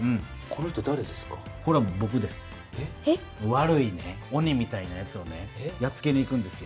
悪いオニみたいなやつをやっつけに行くんですよ。